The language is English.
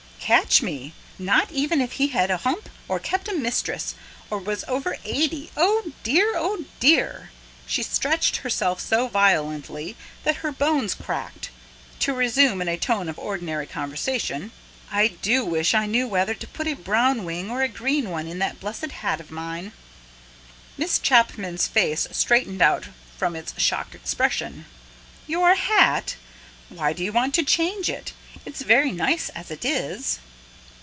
"Catch me! Not even if he had a hump, or kept a mistress, or was over eighty. Oh dear, oh dear!" she stretched herself so violently that her bones cracked; to resume, in a tone of ordinary conversation: "I do wish I knew whether to put a brown wing or a green one in that blessed hat of mine." Miss Chapman's face straightened out from its shocked expression. "Your hat? Why do you want to change it? It's very nice as it is."